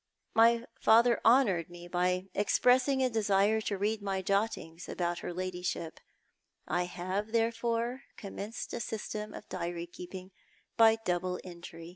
My father honoured me by expressing a desire to read my jottings about her ladyship ; I have therefore com menced a system of diary keeping by double entry.